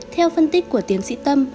theo phân tích của tiến sĩ tâm